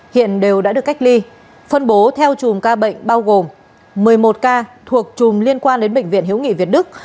hiện đều đã được cách ly phân bố theo chùm ca bệnh bao gồm một mươi một ca thuộc chùm liên quan đến bệnh viện hiếu nghị việt đức